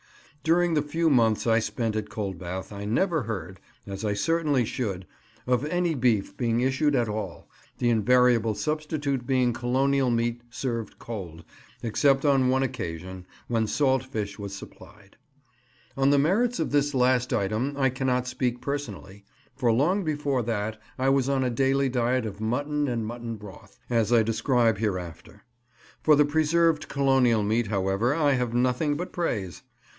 During the few months I spent at Coldbath I never heard—as I certainly should—of any beef being issued at all, the invariable substitute being Colonial meat served cold, except on one occasion, when salt fish was supplied. On the merits of this last item I cannot speak personally, for long before that I was on a daily diet of mutton and mutton broth, as I describe hereafter. For the preserved Colonial meat, however, I have nothing but praise.